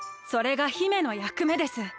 それが姫のやくめです。